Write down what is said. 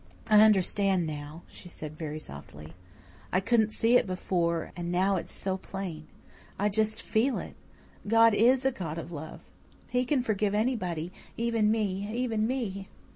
"I understand now," she said very softly. "I couldn't see it before and now it's so plain. I just FEEL it. God IS a God of love. He can forgive anybody even me even me.